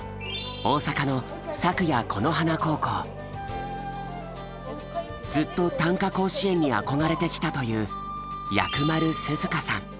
大阪のずっと短歌甲子園に憧れてきたという藥丸涼花さん。